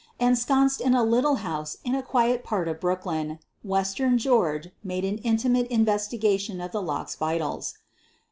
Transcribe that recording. Ensconced in a little house in a quiet part of Brooklyn, " West ern George" made an intimate investigation of the lock's vitals.